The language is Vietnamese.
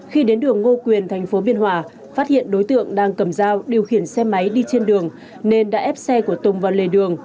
khi đến đường ngô quyền thành phố biên hòa phát hiện đối tượng đang cầm dao điều khiển xe máy đi trên đường nên đã ép xe của tùng vào lề đường